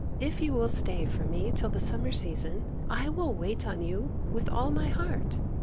If you will stay for me till the summer season, I will wait on you with all my heart.